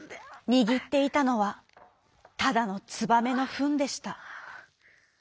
にぎっていたのはただのつばめのふんでした。